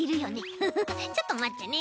フフフちょっとまってね。